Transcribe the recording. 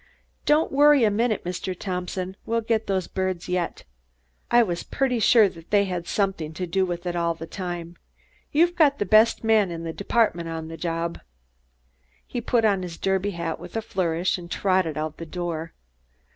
"Don't you worry a minute, Mr. Thompson. We'll get those birds yet. I was pretty sure they had something to do with it, all the time. You've got the best man in the department on the job." He put on his derby hat with a flourish and trotted out the door.